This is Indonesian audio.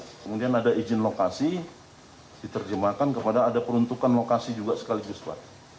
kemudian ada izin lokasi diterjemahkan kepada ada peruntukan lokasi juga sekaligus pak